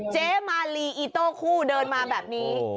เจ๊มาลีอีโต้คู่เดินมาแบบนี้